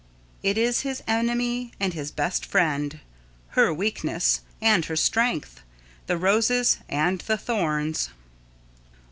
It is his enemy and his best friend, her weakness and her strength; the roses and the thorns.